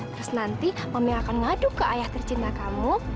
terus nanti mami akan ngaduk ke ayah tercinta kamu